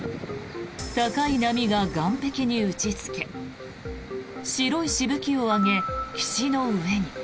高い波が岸壁に打ちつけ白いしぶきを上げ、岸の上に。